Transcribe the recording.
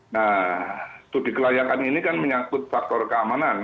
nah studi kelayakan ini kan menyangkut faktor keamanan